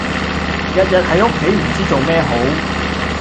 日日喺屋企唔知做咩好